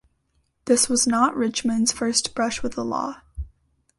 This was not Richmond's first brush with the law.